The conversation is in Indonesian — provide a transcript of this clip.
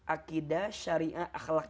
akidah syariah akhlaq